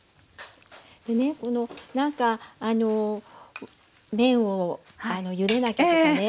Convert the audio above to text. でね何か麺をゆでなきゃとかね